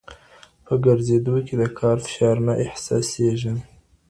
په ګرځېدو کي د کار فشار نه احساسېږي.